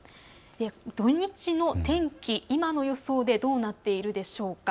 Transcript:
土日の天気、今の予想でどうなっているでしょうか。